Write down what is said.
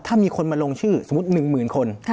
ถ้ามีคนมาลงชื่อสมมุติ๑๐๐๐คน